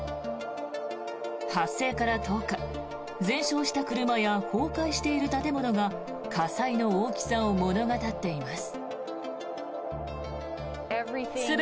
発生から１０日、全焼した車や崩壊している建物が火災の大きさを物語っています。